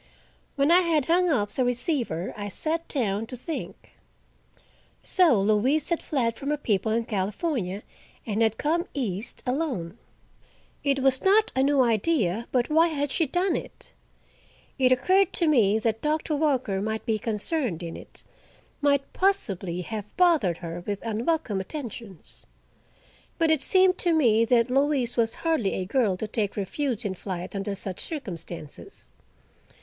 When I had hung up the receiver, I sat down to think. So Louise had fled from her people in California, and had come east alone! It was not a new idea, but why had she done it? It occurred to me that Doctor Walker might be concerned in it, might possibly have bothered her with unwelcome attentions; but it seemed to me that Louise was hardly a girl to take refuge in flight under such circumstances.